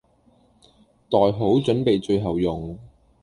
袋好準備最後用。